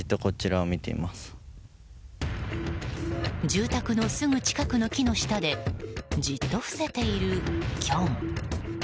住宅のすぐ近くの木の下でじっと伏せているキョン。